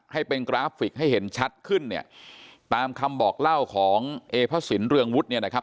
ให้เป็นกราฟิกให้เห็นชัดขึ้นเนี่ยตามคำบอกเล่าของเอพระสินเรืองวุฒิเนี่ยนะครับ